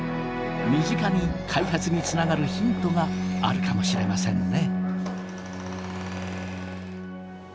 身近に開発につながるヒントがあるかもしれませんね。